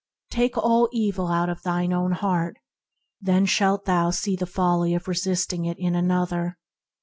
Take all evil out of thine own heart, then shalt thou see the folly of resisting it in another.